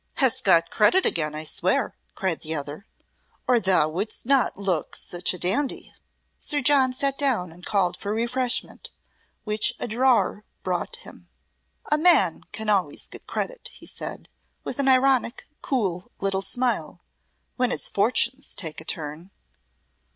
"Hast got credit again, I swear," cried the other, "or thou wouldst not look such a dandy." Sir John sate down and called for refreshment, which a drawer brought him. "A man can always get credit," he said, with an ironic, cool little smile, "when his fortunes take a turn."